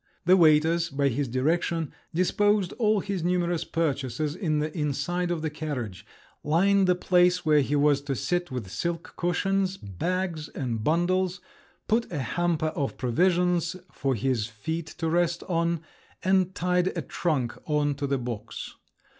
The waiters, by his directions, disposed all his numerous purchases in the inside of the carriage, lined the place where he was to sit with silk cushions, bags, and bundles, put a hamper of provisions for his feet to rest on, and tied a trunk on to the box.